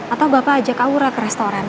atau bapak ajak aura ke restoran